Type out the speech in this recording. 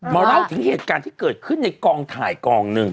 เล่าถึงเหตุการณ์ที่เกิดขึ้นในกองถ่ายกองหนึ่ง